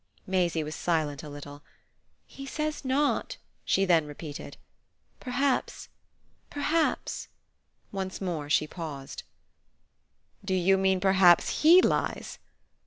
Maisie was silent a little. "He says not," she then repeated. "Perhaps perhaps " Once more she paused. "Do you mean perhaps HE lies?"